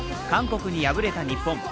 韓国に敗れた日本。